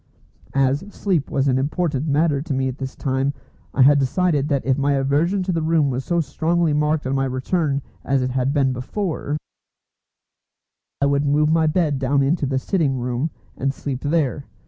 As sleep was an important matter to me at this time, I had decided that if my aversion to the room was so strongly marked on my return as it had been before, I would move my bed down into the sitting room, and sleep there.